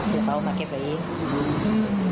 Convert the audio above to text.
เดี๋ยวป้อกันเก็บเลยเอง